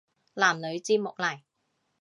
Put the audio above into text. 男女節目嚟